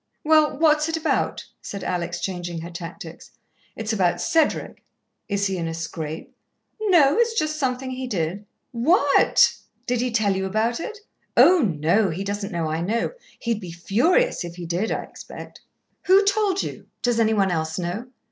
Well, what is it about?" said Alex, changing her tactics. "It's about Cedric." "Is he in a scrape?" "No, it's just something he did." "What? Did he tell you about it?" "Oh, no. He doesn't know I know. He'd be furious if he did, I expect." "Who told you? Does any one else know?"